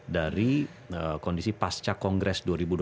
dari kondisi pasca kongres dua ribu dua puluh